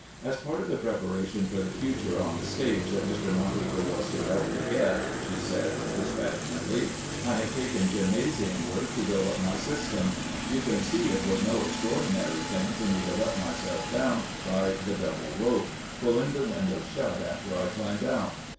"As part of the preparation for the future on the stage that Mr. Monteagle was to help me get," she said, dispassionately, "I have taken gymnasium work to build up my system. You can see it was no extraordinary thing for me to let myself down by the double rope, pulling the window shut after I climbed out.